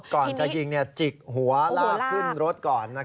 ก่อนจะยิงจิกหัวลากขึ้นรถก่อน